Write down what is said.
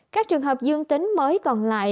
các trường hợp dương tính mới còn lại